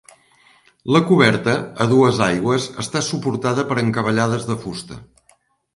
La coberta a dues aigües està suportada per encavallades de fusta.